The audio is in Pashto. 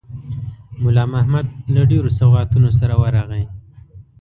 مُلا محمد له ډېرو سوغاتونو سره ورغی.